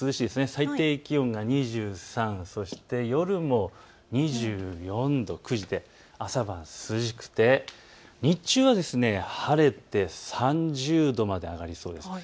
最低気温が２３、そして夜も２４度、朝晩涼しくて、日中は晴れて３０度まで上がりそうです。